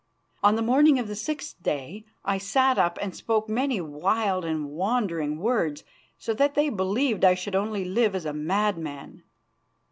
On the morning of the sixth day I sat up and spoke many wild and wandering words, so that they believed I should only live as a madman.